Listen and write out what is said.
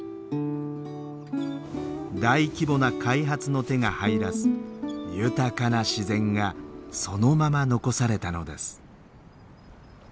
大規模な開発の手が入らず豊かな自然がそのまま残されたのです。